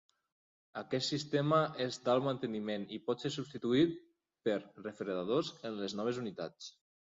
Aquest sistema és d'alt manteniment i pot ser substituït per refredadors en les noves unitats.